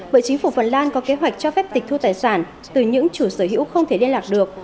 bởi chính phủ phần lan có kế hoạch cho phép tịch thu tài sản từ những chủ sở hữu không thể liên lạc được